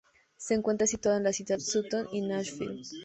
Se encuentra situado en la ciudad de Sutton-in-Ashfield.